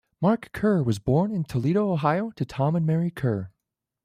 Mark Kerr was born in Toledo, Ohio to Tom and Mary Kerr.